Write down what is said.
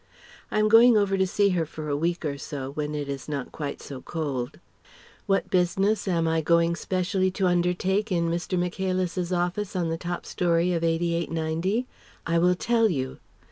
(I am going over to see her for a week or so, when it is not quite so cold.) What business am I going specially to undertake in Mr. Michaelis's office on the top storey of 88 90? I will tell you.